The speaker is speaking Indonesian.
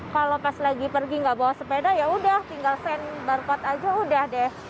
kalau pas lagi pergi gak bawa sepeda yaudah tinggal send barcode aja udah deh